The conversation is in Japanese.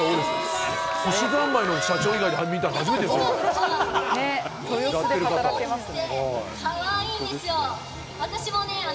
すしざんまいの社長以外で初めてですよ、見たの。